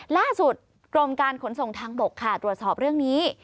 ล่าสุดกรมการขนส่งทางบกค่ะตรวจสอบเรื่องนี้